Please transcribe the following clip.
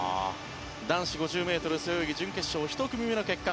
男子５０ｍ背泳ぎ準決勝１組目の結果